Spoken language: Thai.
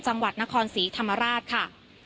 จังหวัดนครศรีธรรมราชค่ะ